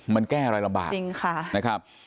มันแก้อะไรลำบาก